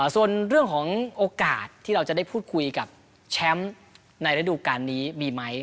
ส่วนเรื่องของโอกาสที่เราจะได้พูดคุยกับแชมป์ในระดูการนี้มีไหม